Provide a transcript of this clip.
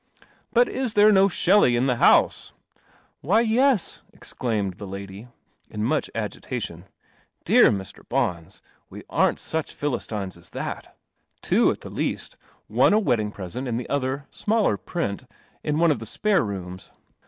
But i there no Shelley in the hou • Why, y< I exclaimed the lady, in much ration. "Dear Mr. Bona, we aren't such 55 THE CELESTIAL OMNIBUS Philistines as that. Two at the least. One a wedding present, and the other, smaller print, in one of the spare rooms."